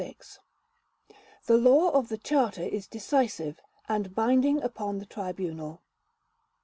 The law of the Charter is decisive, and binding upon the Tribunal.